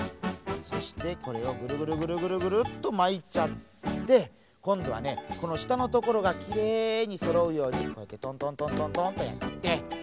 そしてこれをグルグルグルグルグルッとまいちゃってこんどはねこのしたのところがきれいにそろうようにこうやってトントントントンとやってね